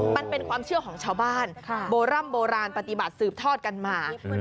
มันเป็นความเชื่อของชาวบ้านโบร่ำโบราณปฏิบัติสืบทอดกันมา